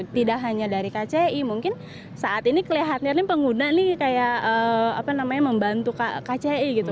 tidak hanya dari kci mungkin saat ini kelihatannya pengguna nih kayak apa namanya membantu kci gitu